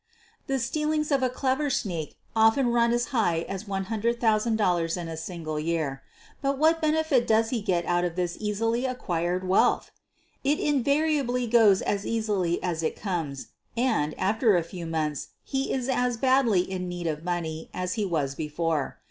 The stealings of a clever " sneak 7 ' often run as high as $100,000 in a single year. But what benefit does he get out of this easily acquired wealth! It invariably goes as easily as it comes, and, after a few months, he is as badly in need of money as he was before.